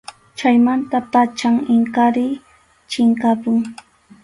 Chaymanta pacham Inkariy chinkapun.